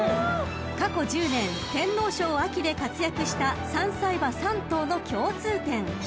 ［過去１０年天皇賞で活躍した３歳馬３頭の共通点］